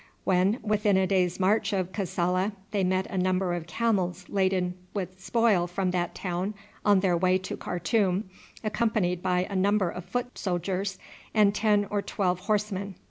When within a day's march of Kassala they met a number of camels laden with spoil from that town on their way to Khartoum, accompanied by a number of foot soldiers and ten or twelve horsemen.